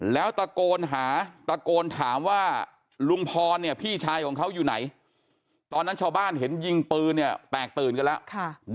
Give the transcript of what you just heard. แล้วตะโกนถามว่าลุงพรพี่ชายของเขาอยู่ไหนตอนนั้นชาวบ้านเห็นยิงปือแตกตื่นกันแล้ว